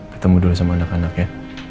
ketemu dulu sama anak anak ya